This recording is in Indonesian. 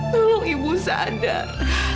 tolong ibu sadar